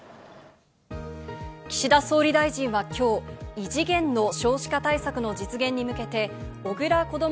岸田総理大臣は今日、異次元の少子化対策の実現に向けて小倉こども